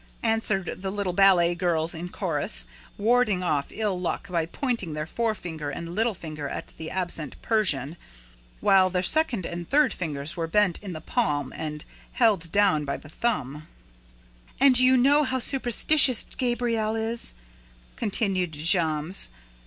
answered the little ballet girls in chorus, warding off ill luck by pointing their forefinger and little finger at the absent Persian, while their second and third fingers were bent on the palm and held down by the thumb. "And you know how superstitious Gabriel is," continued Jammes.